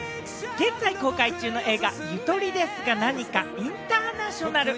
現在、公開中の映画『ゆとりですがなにかインターナショナル』。